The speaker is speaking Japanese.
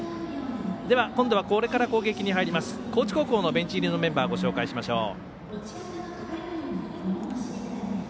今度はこれから攻撃に入ります高知高校のベンチ入りのメンバーご紹介します。